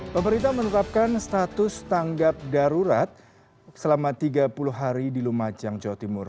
pemerintah menetapkan status tanggap darurat selama tiga puluh hari di lumajang jawa timur